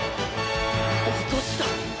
落としだ。